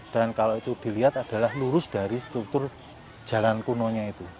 dan kalau itu dilihat adalah lurus dari struktur jalan kuno nya itu